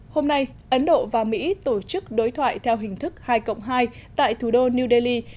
hôm nay ấn độ và mỹ tổ chức đối thoại theo hình thức hai cộng hai tại thủ đô new delhi